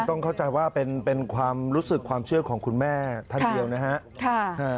ต้องเข้าใจว่าเป็นความรู้สึกความเชื่อของคุณแม่ท่านเดียวนะฮะ